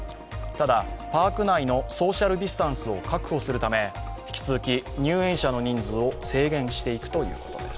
ただ、パーク内のソーシャルディスタンスを確保するため引き続き入園者の人数を制限していくということです。